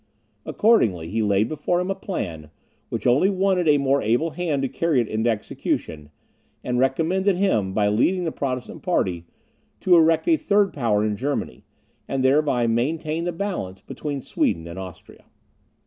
Accordingly, he laid before him a plan, which only wanted a more able hand to carry it into execution, and recommended him, by heading the Protestant party, to erect a third power in Germany, and thereby maintain the balance between Sweden and Austria.